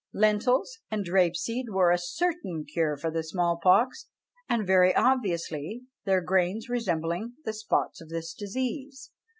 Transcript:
Lentils and rape seed were a certain cure for the small pox, and very obviously their grains resembling the spots of this disease.